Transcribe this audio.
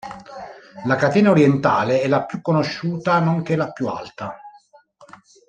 La catena orientale è la più conosciuta nonché la più alta.